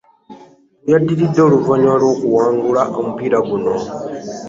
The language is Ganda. Byaddiridde oluvannyuma lw'okuwangula omupiira guno.